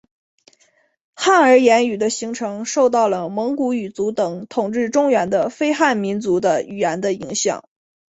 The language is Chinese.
汉儿言语的形成受到了蒙古语族等统治中原的非汉民族的语言的影响。